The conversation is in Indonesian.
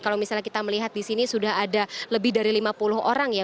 kalau misalnya kita melihat di sini sudah ada lebih dari lima puluh orang ya